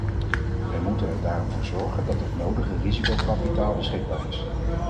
Wij moeten er daarom voor zorgen dat het nodige risicokapitaal beschikbaar is.